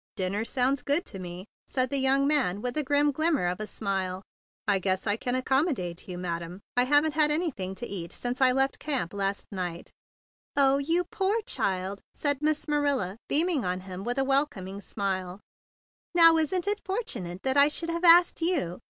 "Dinner sounds good to me," said the young man with a grim glimmer of a smile. "I guess I can accommodate you, madam. I haven't had anything to eat since I left the camp last night." THE BIG BLUE SOLDIER 23 "Oh! You poor child!" said Miss Ma¬ nila, beaming on him with a welcom¬ ing smile. "Now isn't it fortunate I should have asked you?"